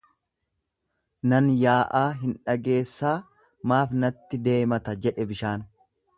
Nan yaa'aa hin dhageessaa maaf natti deemata jedhe bishaan.